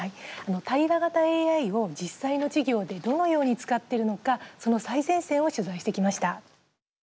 対話型ＡＩを実際の授業でどのように使っているのかその最前線を取材してきました。